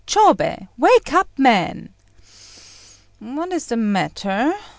Chôbei! wake up, man." "What is the matter?"